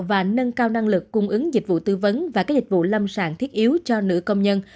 và nâng cao năng lực cung ứng dịch vụ tư vấn và các dịch vụ lâm sản thiết yếu cho nữ công nhân